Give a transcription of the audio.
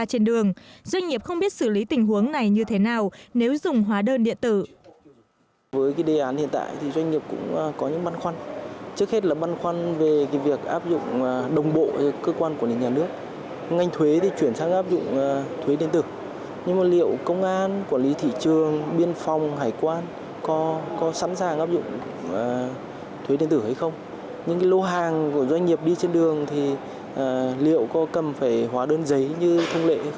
trên đường doanh nghiệp không biết xử lý tình huống này như thế nào nếu dùng hóa đơn điện tử